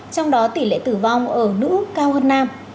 trong đó tỷ lệ tử vong ở nữ cao hơn nam